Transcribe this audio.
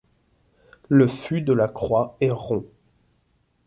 Le fût de la croix est rond.